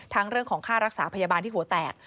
เรื่องของค่ารักษาพยาบาลที่หัวแตก